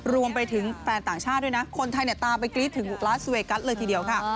รวมไปถึงแฟนต่างชาติด้วยนะคนไทยตามไปกรี๊ดถึงลาสเวกัสเลยทีเดียวค่ะ